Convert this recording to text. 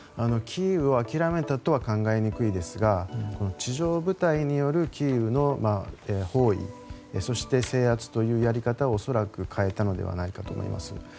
キーウを諦めたとは考えにくいですが地上部隊によるキーウの包囲そして制圧というやり方を恐らく変えたのではないかと思います。